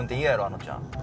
あのちゃん。